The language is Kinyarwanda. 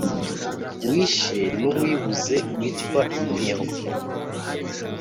wishe n'uwibuze witwa inkeho